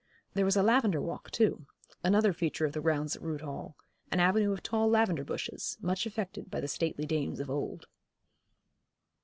There was a Lavender Walk too, another feature of the grounds at Rood Hall, an avenue of tall lavender bushes, much affected by the stately dames of old.